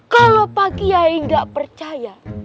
kalo pak kiai ga percaya